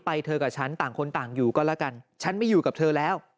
เธอกับฉันต่างคนต่างอยู่ก็แล้วกันฉันไม่อยู่กับเธอแล้ว